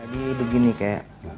jadi begini kek